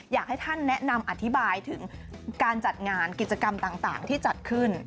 อยากให้ท่านแนะนำอธิบายถึงการจัดงานกิจกรรมต่างที่จัดขึ้น